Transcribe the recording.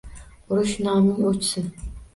Urush — noming o‘chsin...